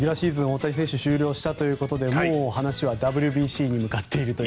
大谷選手、終了したということでもう話はＷＢＣに向かっていると。